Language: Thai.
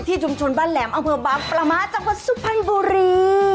ชุมชนบ้านแหลมอำเภอบางประมะจังหวัดสุพรรณบุรี